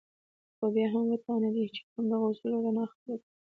خو بيا هم وتوانېد چې د همدغو اصولو رڼا خپله کړي.